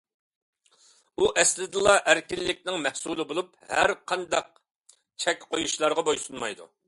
ئۇ ئەسلىدىنلا ئەركىنلىكنىڭ مەھسۇلى بولۇپ، ھەرقانداق چەك قۇيۇشلارغا بويسۇنمايدۇ.